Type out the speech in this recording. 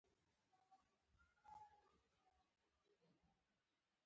د شمالي ګاونډي په پرتله ولسواکي په سوېل کې نوې تجربه ده.